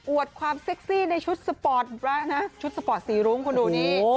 อวดความเซ็กซี่ในชุดสปอร์ตสีรุ้มคุณดูนี่